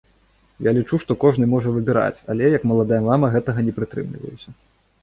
Я лічу, што кожны можа выбіраць, але, як маладая мама, гэтага не прытрымліваюся.